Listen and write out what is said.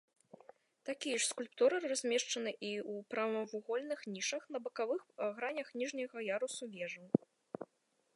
Такія ж скульптуры размешчаны і ў прамавугольных нішах на бакавых гранях ніжняга яруса вежаў.